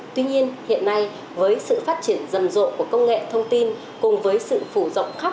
tuy nhiên hiện nay với sự phát triển rầm rộ của công nghệ thông tin cùng với sự phủ rộng khắp của công nghệ thông tin